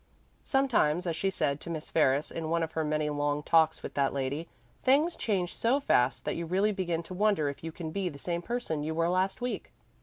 Sometimes, as she said to Miss Ferris in one of her many long talks with that lady, things change so fast that you really begin to wonder if you can be the same person you were last week.